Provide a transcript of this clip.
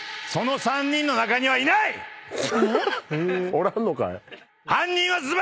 おらんのかい。